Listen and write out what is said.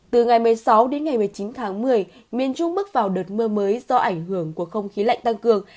từ ngày một mươi sáu đến ngày một mươi chín tháng một mươi miền trung bước vào đợt mưa mới do ảnh hưởng của không khí lạnh tăng cường